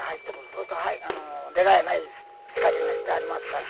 そうすると出られない仕掛けがしてありますから。